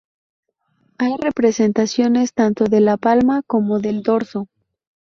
Hay representaciones tanto de la palma como del dorso.